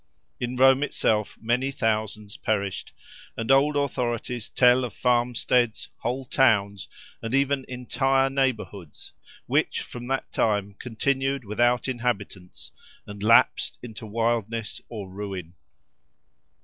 In Rome itself many thousands perished; and old authorities tell of farmsteads, whole towns, and even entire neighbourhoods, which from that time continued without inhabitants and lapsed into wildness or ruin.